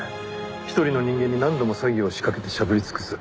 一人の人間に何度も詐欺を仕掛けてしゃぶり尽くす。